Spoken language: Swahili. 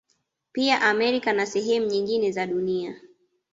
Pia Amerika na sehemu nyingine za Dunia